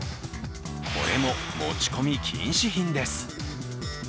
これも持ち込み禁止品です。